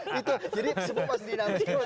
jadi sepupu pasti di dalam situ